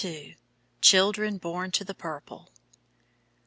CHILDREN BORN TO THE PURPLE.